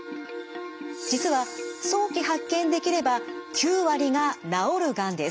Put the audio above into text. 実は早期発見できれば９割が治るがんです。